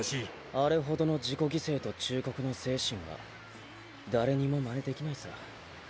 あれほどの自己犠牲と忠国の精神は誰にもまねできないさ。